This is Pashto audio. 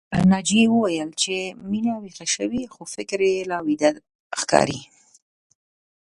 ناجيې وويل چې مينه ويښه شوې خو فکر يې لا ويده ښکاري